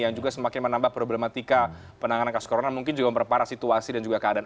yang juga semakin menambah problematika penanganan kasus corona mungkin juga memperparah situasi dan juga keadaan